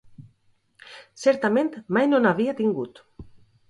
Certament, mai no n'havia tingut.